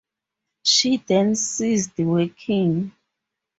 She then ceased working.